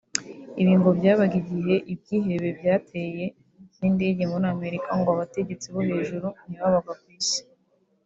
Ibi ngo byabaye igihe ibyihebe byateye n’indege muri Amerika ngo abategetsi bo hejuru ntibabaga ku isi